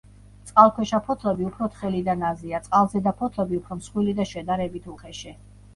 წყალქვეშა ფოთლები უფრო თხელი და ნაზია, წყალზედა ფოთლები უფრო მსხვილი და შედარებით უხეში.